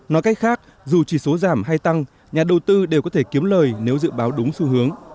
nói cách khác dù chỉ số giảm hay tăng nhà đầu tư đều có thể kiếm lời nếu dự báo đúng xu hướng